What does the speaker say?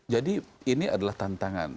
jadi ini adalah tantangan